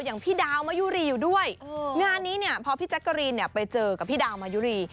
อย่างพี่ดาวมายุรีอยู่ด้วยงานนี้เนี่ยพอพี่แจ๊กกะรีนเนี่ยไปเจอกับพี่ดาวมายุรี